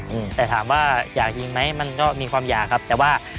อืมแต่ถามว่าอยากยิงไหมมันก็มีความอยากครับแต่ว่า